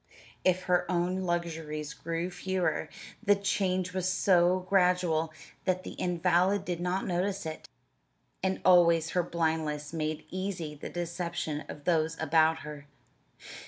If her own luxuries grew fewer, the change was so gradual that the invalid did not notice it, and always her blindness made easy the deception of those about her.